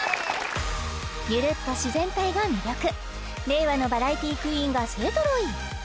ゆるっと自然体が魅力令和のバラエティクイーンが勢ぞろい